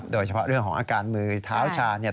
โดยเฉพาะเรื่องของอาการมือเท้าชาเนี่ย